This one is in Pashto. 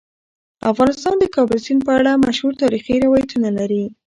افغانستان د د کابل سیند په اړه مشهور تاریخی روایتونه لري.